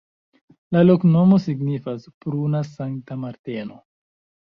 La loknomo signifas: pruna-Sankta-Marteno.